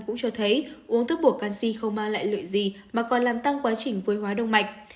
cũng cho thấy uống thuốc bổ canxi không mang lại lợi gì mà còn làm tăng quá trình vô hóa đông mạch